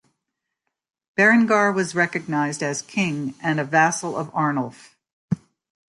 Berengar was recognised as king and a vassal of Arnulf.